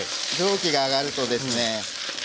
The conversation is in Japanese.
蒸気が上がるとですね